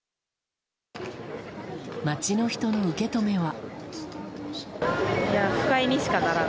街の人の受け止めは。